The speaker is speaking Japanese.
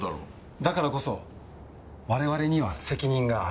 だからこそ我々には責任がある。